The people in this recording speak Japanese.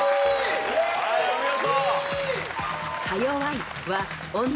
はいお見事。